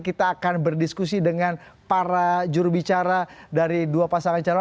kita akan berdiskusi dengan para jurubicara dari dua pasangan calon